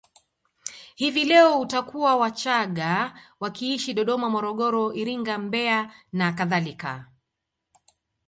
Hivi leo utakuta Wachagga wakiishi Dodoma Morogoro Iringa Mbeya na kadhalika